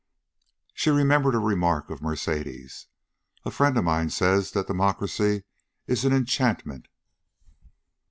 She remembered a remark of Mercedes. "A friend of mine says that democracy is an enchantment."